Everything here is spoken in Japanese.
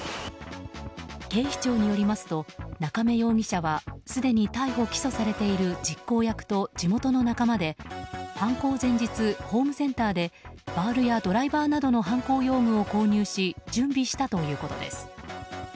警視庁によりますと中明容疑者はすでに逮捕・起訴されている実行役と地元の仲間で犯行前日ホームセンターでバールやドライバーなどの犯行用具を購入し準備したということです。